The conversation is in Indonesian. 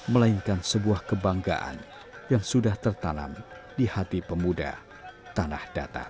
melainkan sebuah kebanggaan yang sudah tertanam di hati pemuda tanah datar